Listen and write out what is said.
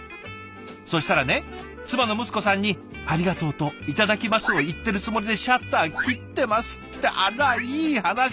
そしたらね妻のむつこさんに「ありがとう」と「いただきます」を言ってるつもりでシャッター切ってますってあらいい話。